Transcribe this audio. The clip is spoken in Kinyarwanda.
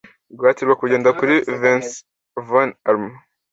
Guhatirwa kugenda kuri Vicenz vom Arno